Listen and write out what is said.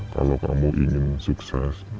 kalau kamu ingin sukses